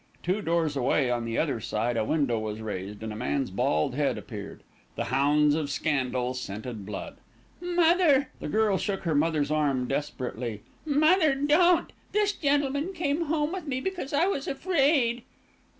Two doors away on the other side a window was raised, and a man's bald head appeared. The hounds of scandal scented blood. "Mother!" The girl shook her mother's arm desperately. "Mother, don't! This gentleman came home with me because I was afraid."